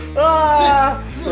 itu bukan tanon sih neng